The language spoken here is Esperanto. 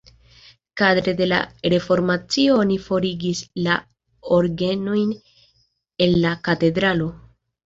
Kadre de la reformacio oni forigis la orgenojn el la katedralo.